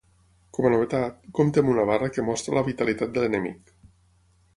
Com a novetat, compte amb una barra que mostra la vitalitat de l'enemic.